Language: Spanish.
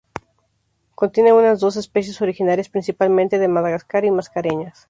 Contiene unas dos especies originarias principalmente de Madagascar y Mascareñas.